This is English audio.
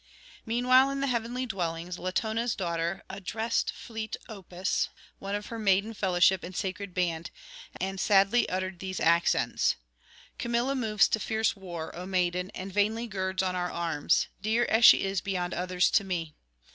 Meanwhile in the heavenly dwellings Latona's daughter addressed fleet Opis, one of her maiden fellowship and sacred band, and sadly uttered these accents: 'Camilla moves to fierce war, O maiden, and vainly girds on our arms, dear as she is beyond others to me.